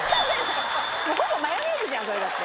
もうほぼマヨネーズじゃんこれだって。